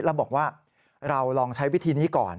แล้วบอกว่าเราลองใช้วิธีนี้ก่อน